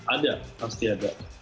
ada pasti ada